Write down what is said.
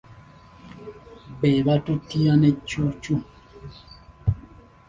Be baatuttira ne Cuucu.